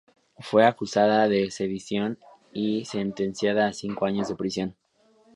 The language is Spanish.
Fue acusada de sedición y sentenciada a cinco años de prisión.